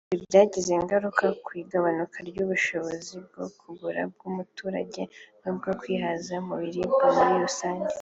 “Ibi byagize ingaruka ku igabanuka ry’ubushobozi bwo kugura bw’umuturage n’ubwo kwihaza mu biribwa muri rusange